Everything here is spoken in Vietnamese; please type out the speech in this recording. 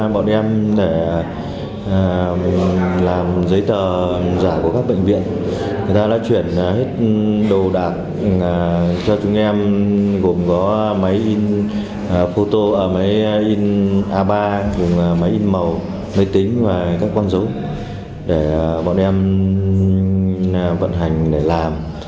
bọn em gồm có máy in a ba máy in màu máy tính và các con dấu để bọn em vận hành để làm